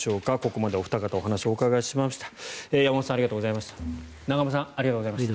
ここまでお二方お話をお伺いしました。